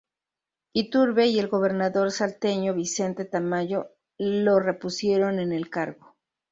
Iturbe y el gobernador salteño Vicente Tamayo lo repusieron en el cargo.